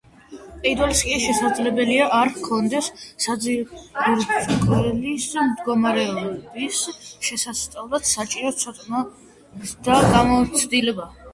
მყიდველს კი, შესაძლებელია არ ჰქონდეს საძირკველის მდგომარეობის შესასწავლად საჭირო ცოდნა ან გამოცდილება.